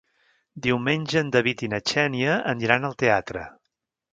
Diumenge en David i na Xènia aniran al teatre.